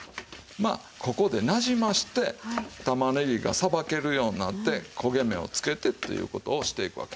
まあここでなじませて玉ねぎがさばけるようになって焦げ目をつけてという事をしていくわけ。